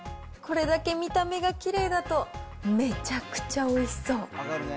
これだけ見た目がきれいだとめちゃくちゃおいしそう。